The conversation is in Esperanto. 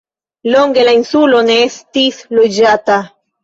Longe la insulo ne estis loĝata.